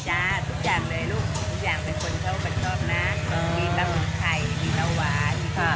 อ่าวชิมกันนะคุณผู้ชมค่ะปลาหมึกแบบนี้